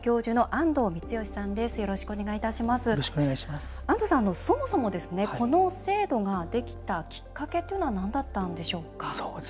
安藤さん、そもそもこの制度ができたきっかけというのはなんだったんでしょうか。